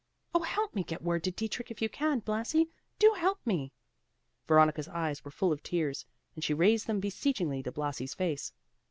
Oh, help me get word to Dietrich if you can, Blasi! do help me!" Veronica's eyes were full of tears, as she raised them beseechingly to Blasi's face.